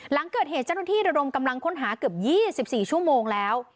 หลังเกิดเหตุเจ้าหน้าที่ระดมกำลังค้นหาเกือบ๒๔ชั่วโมงแล้ว